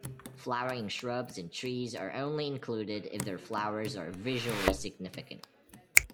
Flowering shrubs and trees are only included if their flowers are visually significant.